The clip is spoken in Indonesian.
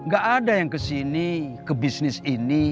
gak ada yang ke sini ke bisnis ini